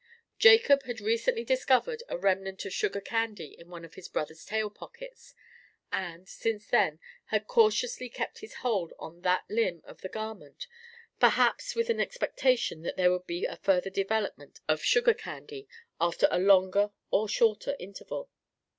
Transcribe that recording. Jacob had recently discovered a remnant of sugar candy in one of his brother's tail pockets; and, since then, had cautiously kept his hold on that limb of the garment, perhaps with an expectation that there would be a further development of sugar candy after a longer or shorter interval.